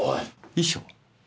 遺書？